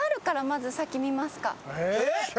えっ？